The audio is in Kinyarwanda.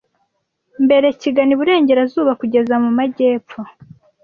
mbere kigana iburengerazuba kugeza mu majyepfo